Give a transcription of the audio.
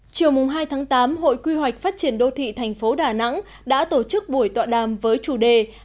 chiều hai tháng tám hội quy hoạch phát triển đô thị thành phố đà nẵng đã tổ chức buổi tọa đàm với chủ đề